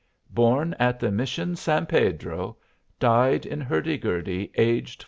Born at the Mission San Pedro Died in Hurdy Gurdy, Aged 47.